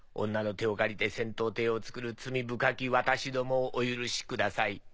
女の手を借りて戦闘艇を作る罪深き私どもをお許しください。